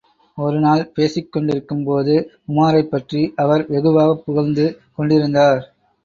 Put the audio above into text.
ஒருநாள் பேசிக் கொண்டிருக்கும் போது உமாரைப்பற்றி அவர் வெகுவாகப் புகழ்ந்து கொண்டிருந்தார்.